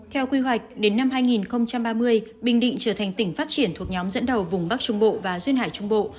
theo quy hoạch đến năm hai nghìn ba mươi bình định trở thành tỉnh phát triển thuộc nhóm dẫn đầu vùng bắc trung bộ và duyên hải trung bộ